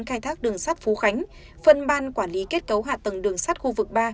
khai thác đường sắt phú khánh phân ban quản lý kết cấu hạ tầng đường sắt khu vực ba